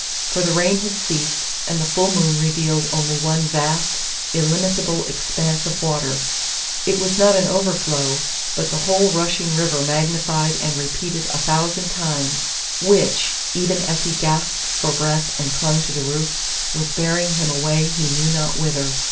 For the rain had ceased, and the full moon revealed only one vast, illimitable expanse of water! It was not an overflow, but the whole rushing river magnified and repeated a thousand times, which, even as he gasped for breath and clung to the roof, was bearing him away he knew not whither.